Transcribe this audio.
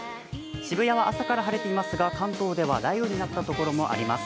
渋谷は朝から晴れていますが関東では雷雨になった所もあります。